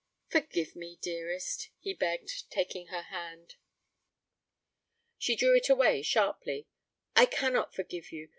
'Forgive me, dearest,' he begged, taking her hand. She drew it away sharply. 'I cannot forgive you.